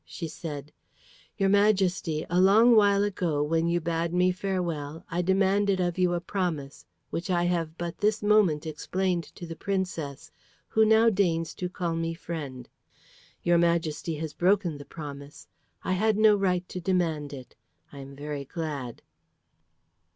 She said, "Your Majesty, a long while ago, when you bade me farewell, I demanded of you a promise, which I have but this moment explained to the Princess, who now deigns to call me friend. Your Majesty has broken the promise. I had no right to demand it. I am very glad."